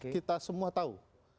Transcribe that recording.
kita semua tahu